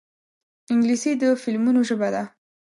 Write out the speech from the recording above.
انګلیسي د فلمونو ژبه ده